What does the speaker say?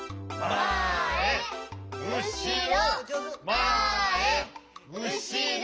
まえうしろ！